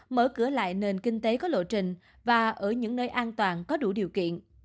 mở cửa lại nền kinh tế có lộ trình và ở những nơi an toàn có đủ điều kiện